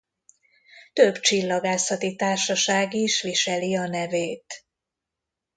Több csillagászati társaság is viseli a nevét.